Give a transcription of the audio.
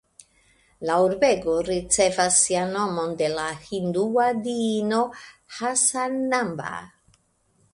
La urbego ricevas sian nomon de la hindua diino Hassanamba.